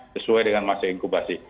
sesuai dengan masa inkubasi